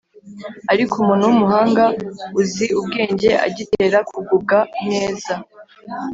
ariko umuntu w’umuhanga uzi ubwenge agitera kugubwa neza